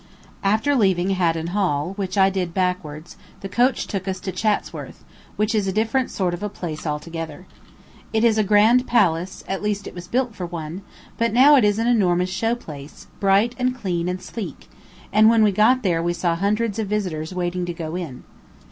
After leaving Haddon Hall, which I did backward, the coach took us to Chatsworth, which is a different sort of a place altogether. It is a grand palace, at least it was built for one, but now it is an enormous show place, bright and clean and sleek, and when we got there we saw hundreds of visitors waiting to go in.